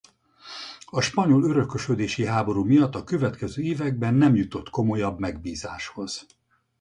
A spanyol örökösödési háború miatt a következő években nem jutott komolyabb megbízáshoz.